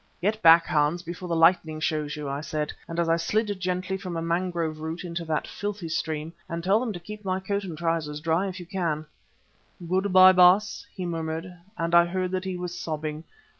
"Get back, Hans, before the lightning shows you," I said, as I slid gently from a mangrove root into that filthy stream, "and tell them to keep my coat and trousers dry if they can." "Good bye, Baas," he murmured, and I heard that he was sobbing.